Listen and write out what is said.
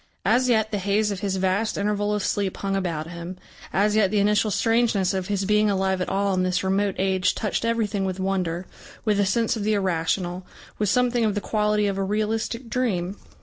As yet the haze of his vast interval of sleep hung about him, as yet the initial strangeness of his being alive at all in this remote age touched everything with wonder, with a sense of the irrational, with something of the quality of a realistic dream.